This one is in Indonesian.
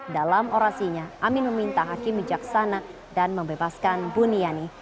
dalam orasinya amin meminta hakim bijaksana dan membebaskan buniani